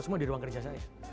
semua di ruang kerja saya